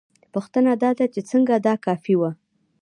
پوښتنه دا ده چې څنګه دا کافي وه؟